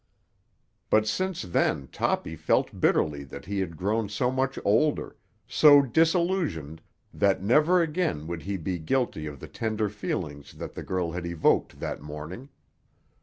But since then Toppy felt bitterly that he had grown so much older, so disillusioned, that never again would he be guilty of the tender feelings that the girl had evoked that morning.